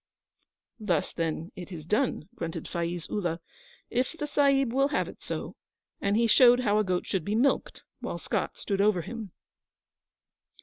'Thus, then, it is done,' grunted Faiz Ullah, 'if the Sahib will have it so'; and he showed how a goat should be milked, while Scott stood over him.